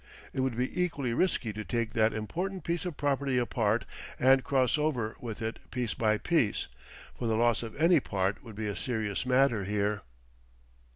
It would be equally risky to take that important piece of property apart and cross over with it piece by piece, for the loss of any part would be a serious matter here.